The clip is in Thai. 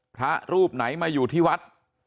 พระรูปไหนมาอยู่ที่วัด